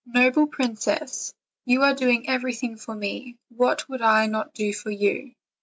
Noble princess, you are doing everything for me; vhat would I not do for you?"